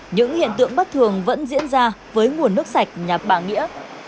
những hiện tượng bất thường vẫn diễn ra với nguồn nước sạch nhà bà nghĩa